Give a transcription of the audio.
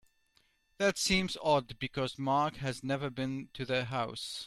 That seems odd because Mark has never been to the house.